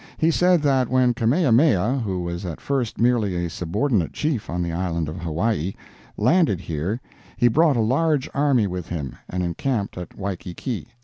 He said that when Kamehameha (who was at first merely a subordinate chief on the island of Hawaii), landed here, he brought a large army with him, and encamped at Waikiki.